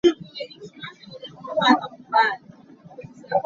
A mui aa dawh deuh caah aa uah deuh ve.